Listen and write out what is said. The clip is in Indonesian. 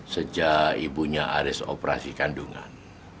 sejak ibunya aris operasi kandungan